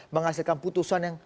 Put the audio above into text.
menghasilkan putusan yang